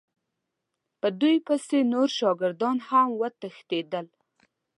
په دوی پسې نور شاګردان هم وتښتېدل.